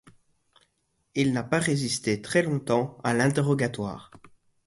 Il n'a pas résisté très longtemps à l’interrogatoire.